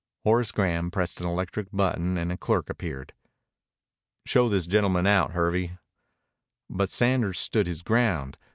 Horace Graham pressed an electric button and a clerk appeared. "Show this gentleman out, Hervey." But Sanders stood his ground.